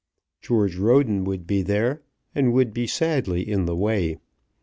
George Roden would be there, and would be sadly in the way.